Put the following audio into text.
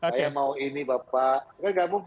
kayak mau ini bapak